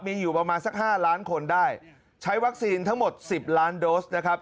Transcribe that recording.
มีอยู่ประมาณสัก๕ล้านคนได้ใช้วัคซีนทั้งหมด๑๐ล้านโดสนะครับ